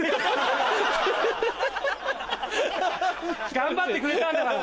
頑張ってくれたんだから。